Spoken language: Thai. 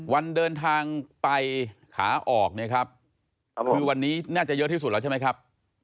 วันเดินทางไปขาออกเนี่ยครับคือวันนี้น่าจะเยอะที่สุดแล้วใช่ไหมครับ